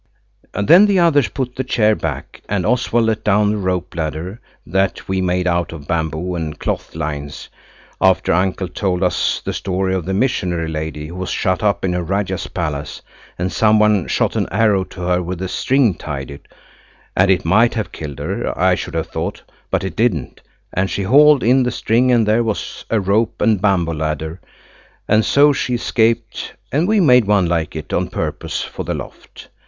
Then the others put the chair back, and Oswald let down the rope ladder that we made out of bamboo and clothes line after uncle told us the story of the missionary lady who was shut up in a rajah's palace, and some one shot an arrows to her with a string tied to it, and it might have killed her I should have thought, but it didn't, and she hauled in the string and there was a rope and a bamboo ladder, and so she escaped, and we made one like it on purpose for the loft.